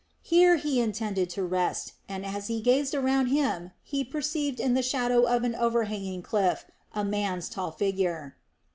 Here he intended to rest and, as he gazed around him, he perceived in the shadow of an overhanging cliff a man's tall figure.